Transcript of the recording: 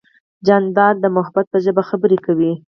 جانداد د محبت په ژبه خبرې کوي.